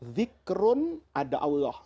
zikron ada allah